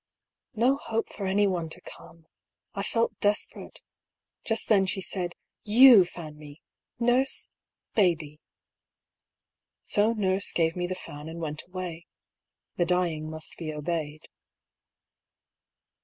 No hope for anyone to come ! I felt desperate. Just then she said, " You fan me ; Nurse — ^baby." So Nurse gave me the fan and went away. The dying must be obeyed.